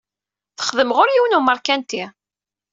Texdem ɣur yiwen umeṛkanti.